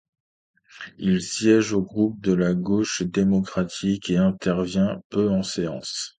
Il siège au groupe de la Gauche démocratique, et intervient peu en séance.